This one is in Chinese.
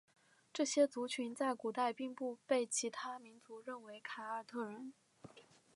这些族群在古代并不被其他民族认为是凯尔特人。